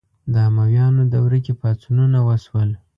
د امویانو دوره کې پاڅونونه وشول